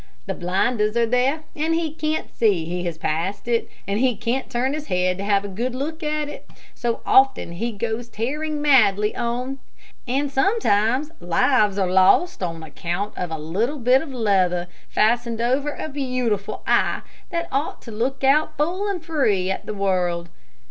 The blinders are there and he can't see that he has passed it, and he can't turn his head to have a good look at it. So often he goes tearing madly on; and sometimes lives are lost all on account of a little bit of leather fastened over a beautiful eye that ought to look out full and free at the world.